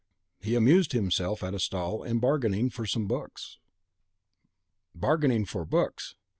"He amused himself at a stall in bargaining for some books." "Bargaining for books!